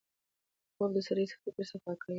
خوب د سړي فکر صفا کوي